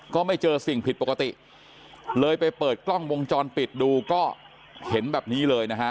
ก็ไม่เจอสิ่งผิดปกติเลยไปเปิดกล้องวงจรปิดดูก็เห็นแบบนี้เลยนะฮะ